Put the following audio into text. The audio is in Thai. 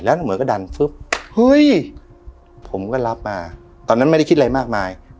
แล้วเหมือนก็ดันฟึ๊บเฮ้ยผมก็รับมาตอนนั้นไม่ได้คิดอะไรมากมาย